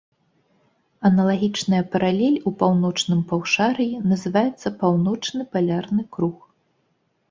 Аналагічная паралель у паўночным паўшар'і называецца паўночны палярны круг.